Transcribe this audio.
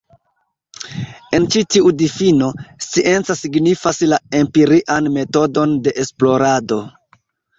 En ĉi tiu difino, scienca signifas la empirian metodon de esplorado.